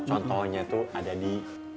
contohnya tuh ada di